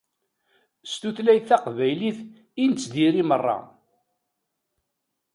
S tutlayt taqbaylit i nettdiri meṛṛa.